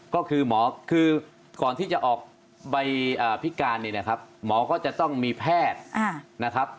ก็คือหมอคือก่อนที่จะออกใบพิการเนี่ยนะครับหมอก็จะต้องมีแพทย์นะครับ